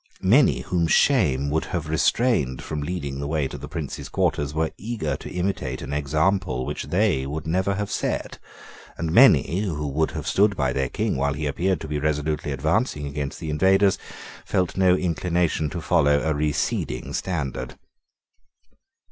Many whom shame would have restrained from leading the way to the Prince's quarters were eager to imitate an example which they never would have set; and many, who would have stood by their King while he appeared to be resolutely advancing against the invaders, felt no inclination to follow a receding standard.